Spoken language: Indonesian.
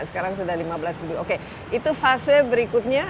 sekarang sudah lima belas ribu oke itu fase berikutnya